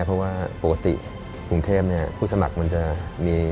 เพราะว่าปกติกรุงเทพผู้สมัครมันจะมี